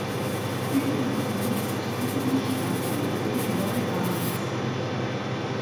Billie nutzt diesen Umstand um ihre Ehe in neue Bahnen zu lenken.